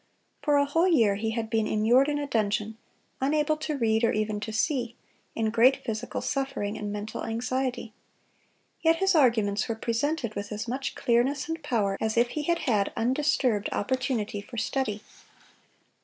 For a whole year he had been immured in a dungeon, unable to read or even to see, in great physical suffering and mental anxiety. Yet his arguments were presented with as much clearness and power as if he had had undisturbed opportunity for study.